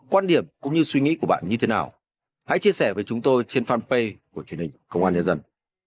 quan điểm cũng như suy nghĩ của bạn như thế nào hãy chia sẻ với chúng tôi trên fanpage của truyền hình công an nhân dân